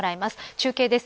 中継です。